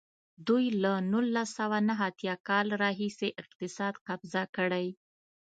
دوی له نولس سوه نهه اتیا کال راهیسې اقتصاد قبضه کړی.